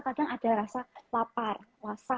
kadang ada rasa lapar rasa